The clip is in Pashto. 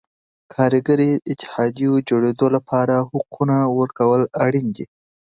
کارګري اتحادیو جوړېدو لپاره حقونو ورکول اړین دي.